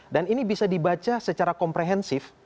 dan ini bisa dibaca secara komprehensif